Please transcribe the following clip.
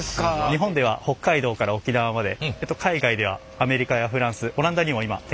日本では北海道から沖縄まで海外ではアメリカやフランスオランダにも今展開しております。